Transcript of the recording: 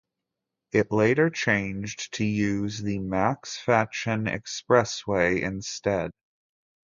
It later changed to use the Max Fatchen Expressway instead.